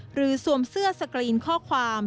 หรือซวมเสื้อสกระอินข้อความ